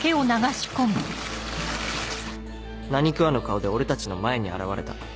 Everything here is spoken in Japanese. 何食わぬ顔で俺たちの前に現れた。